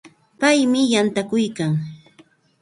Paymi yantakuykan.